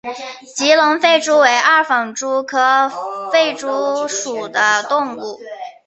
吉隆狒蛛为二纺蛛科狒蛛属的动物。